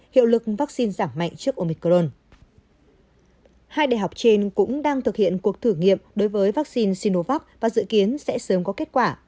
hai đại học trên cũng đang thực hiện cuộc thử nghiệm đối với vaccine sinovac và dự kiến sẽ sớm có kết quả